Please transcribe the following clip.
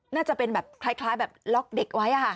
น่าจะเป็นแบบคล้ายแบบล็อกเด็กไว้